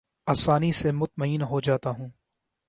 آسانی سے مطمئن ہو جاتا ہوں